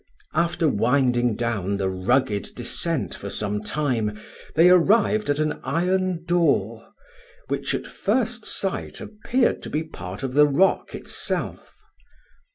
After winding down the rugged descent for some time, they arrived at an iron door, which at first sight appeared to be part of the rock itself.